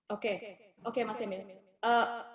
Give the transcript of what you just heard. oke oke maksudnya